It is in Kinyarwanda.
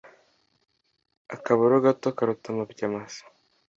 .Akaboro, gato karuta amabya masa.